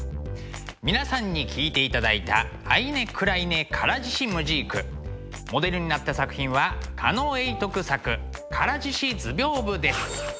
皆さんに聴いていただいた「アイネクライネ唐獅子ムジーク」モデルになった作品は狩野永徳作「唐獅子図屏風」です。